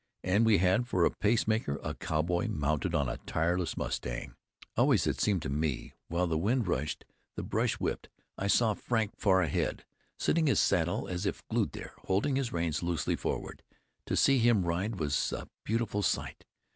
And we had for a pacemaker a cowboy mounted on a tireless mustang. Always it seemed to me, while the wind rushed, the brush whipped, I saw Frank far ahead, sitting his saddle as if glued there, holding his reins loosely forward. To see him ride so was a beautiful sight.